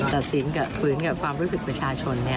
ตัดสินฝืนกับความรู้สึกประชาชนเนี่ย